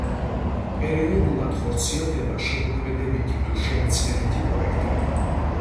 პერიოდულად ხორციელდება შემოქმედებითი თუ შემეცნებითი პროექტები.